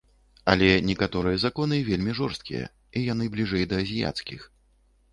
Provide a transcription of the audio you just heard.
Але некаторыя законы вельмі жорсткія, і яны бліжэй да азіяцкіх.